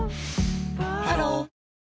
ハロー